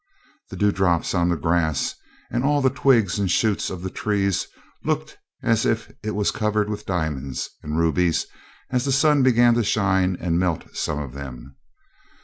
The dewdrops on the grass and all the twigs and shoots of the trees looked as if it was covered with diamonds and rubies as the sun began to shine and melt some of them.